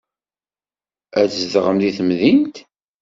Ad tzedɣem deg temdint.